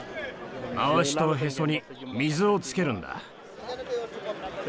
まわしとへそに水をつけるんだ。